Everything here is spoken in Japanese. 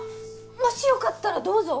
もしよかったらどうぞ。